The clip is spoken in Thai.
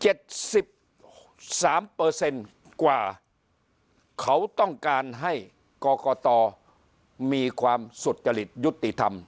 สามเปอร์เซ็นต์กว่าเขาต้องการให้กรกตมีความสุจริตยุติธรรม